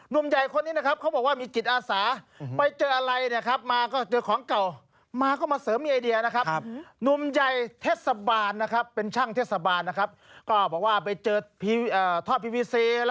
นุ่มใหญ่คนนี้เขาบอกว่ามีกิจอาหาร